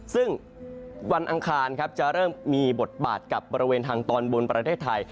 ซึ่งวันอังคารครับจะเริ่มมีบทบาทกับบริเวณทางตอนบนประเทศไทย